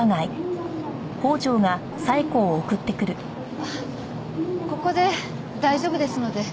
あっここで大丈夫ですので。